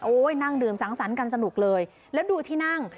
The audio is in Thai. นั่งดื่มสังสรรค์กันสนุกเลยแล้วดูที่นั่ง